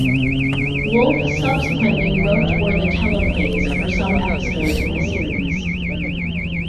Wolfe subsequently wrote or the teleplays for some episodes in the series.